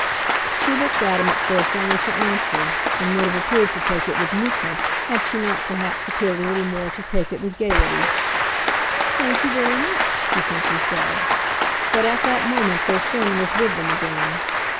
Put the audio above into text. She looked at him at first only for answer, and would have appeared to take it with meekness had she not perhaps appeared a little more to take it with gaiety. "Thank you very much," she simply said; but at that moment their friend was with them again.